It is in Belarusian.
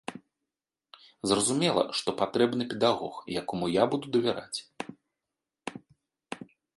Зразумела, што патрэбны педагог, якому я буду давяраць.